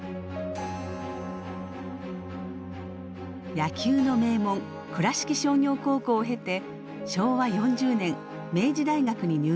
野球の名門倉敷商業高校を経て昭和４０年明治大学に入学。